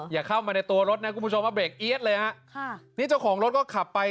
อย่าเข้ามาในตัวรถนะคุณผู้ชมว่าเบรกเอี๊ยดเลยฮะค่ะนี่เจ้าของรถก็ขับไป